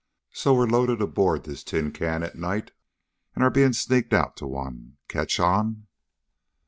So we were loaded aboard this tin can at night, and are being sneaked out to one. Catch on?"